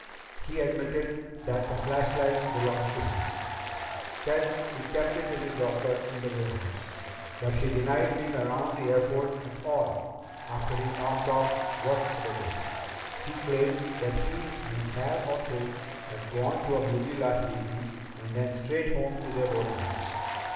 He admitted that the flashlight belongs to him; said he kept it in his locker in the warehouse. But he denied being around the airport at all after he knocked off work for the day. He claimed that he and a pal of his had gone to a movie last evening and then straight home to their boardinghouse.